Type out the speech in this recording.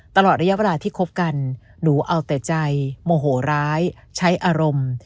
ตลอดระยะเวลาที่คบกันหนูเอาแต่ใจโมโหร้ายใช้อารมณ์